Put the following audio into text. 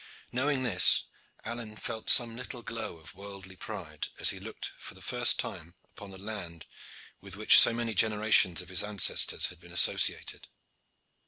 Knowing this, Alleyne felt some little glow of worldly pride as he looked for the first time upon the land with which so many generations of his ancestors had been associated.